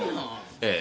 ええ。